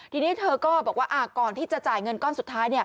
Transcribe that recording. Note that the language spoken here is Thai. ทีนี้เธอก็บอกว่าก่อนที่จะจ่ายเงินก้อนสุดท้าย